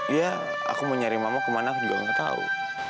iya aku mau nyari mama kemana juga gak tau